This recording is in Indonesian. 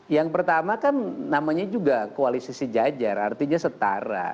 yang pertama kan namanya juga koalisi sejajar artinya setara